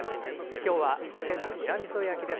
今日は、さけのにらみそ焼きです。